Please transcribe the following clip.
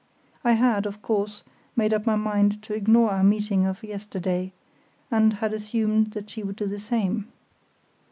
I had, of course, made up my mind to ignore our meeting of yesterday, and had assumed that she would do the same.